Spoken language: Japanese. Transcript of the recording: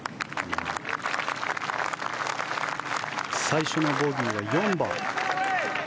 最初のボギーは４番。